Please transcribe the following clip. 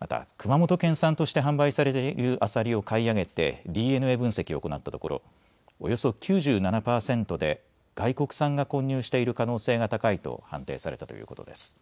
また熊本県産として販売されているアサリを買い上げてＤＮＡ分析を行ったところおよそ９７％で外国産が混入している可能性が高いと判定されたということです。